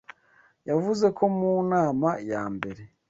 Yavuze ko mu nama ya mbere